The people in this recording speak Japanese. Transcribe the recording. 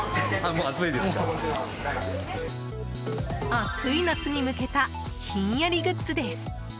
暑い夏に向けたひんやりグッズです。